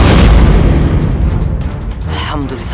aku akan mencoba mengincar titik itu